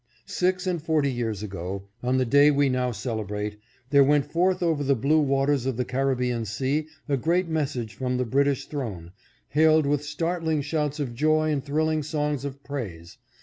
Six and forty years ago, on the day we now celebrate, there went forth over the blue waters of the Carribean Sea a great message from the British throne, hailed with startling shouts of joy and thrilling songs of praise.